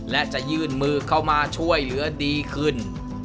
และจะยื่นมือเข้ามาช่วยเหลือดีขึ้น